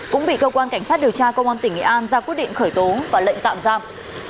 cũng bị cơ quan cảnh sát điều tra công an tỉnh nghệ an ra quyết định khởi tố và lệnh tạm giam